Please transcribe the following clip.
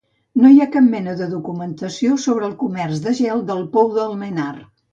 No hi ha cap mena de documentació sobre el comerç de gel del pou d'Almenar.